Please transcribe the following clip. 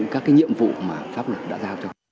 các cái nhiệm vụ mà pháp luật đã giao cho